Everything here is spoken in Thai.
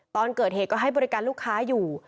ตอนเกิดเหตุก็ให้บริการลูกค้าอยู่